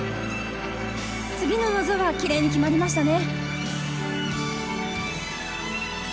次の技はキレイに決まりましたね。